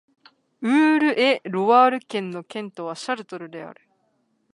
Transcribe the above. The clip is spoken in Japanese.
ウール＝エ＝ロワール県の県都はシャルトルである